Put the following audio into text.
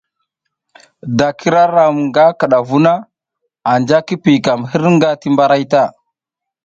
Da k ira ram nga kidavu na, anja ki piykam hirnga ti mbaray ta.